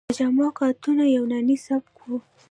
د جامو کاتونه یوناني سبک و